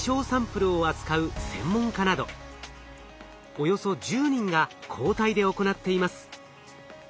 およそ１０人が交代で行っています。